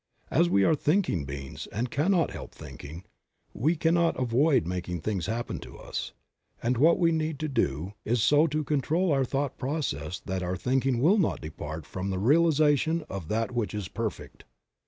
As we are thinking beings, and cannot help thinking, we cannot avoid making things happen to us, and what we need to do is so to control our thought processes that our thinking will not depart from the realization of that which is perfect.